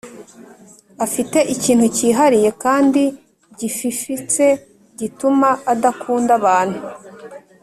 Afite Ikintu cyihariye kandi gififitse gituma adakunda abantu